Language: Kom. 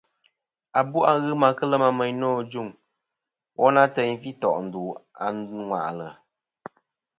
Abu' a ghɨ ma kɨ lema meyn nô ajuŋ, woyn a ateyn fi tò' ndu nô ŋwà'lɨ.